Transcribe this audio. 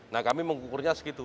nah kami mengukurnya segitu